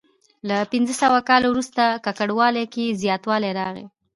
له پنځه سوه کال وروسته ککړوالي کې زیاتوالی راغلی.